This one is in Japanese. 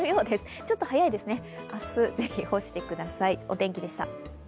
ちょっと早いですね、明日ぜひ干してください。